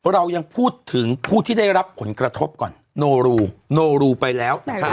เรายังพูดถึงผู้ที่ได้รับผลกระทบก่อนโนรูโนรูไปแล้วนะคะ